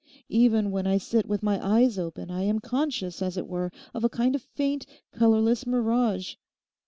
Even when I sit with my eyes open, I am conscious, as it were, of a kind of faint, colourless mirage.